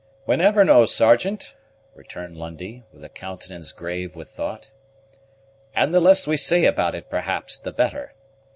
"We never know, Sergeant," returned Lundie, with a countenance grave with thought; "and the less we say about it, perhaps, the better.